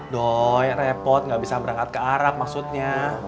doi repot nggak bisa berangkat ke arap maksudnya